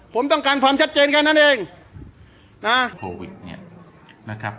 ผมต้องการความชัดเจนแค่นั้นเองนะโควิดเนี่ยนะครับ